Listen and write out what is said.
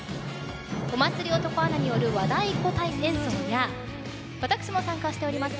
オマツリ男アナによる和太鼓演奏や私も参加しております